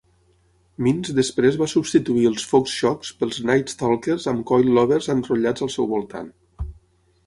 Meents després va substituir els Fox shocks pels Knight Stalkers amb coilovers enrotllats al seu voltant.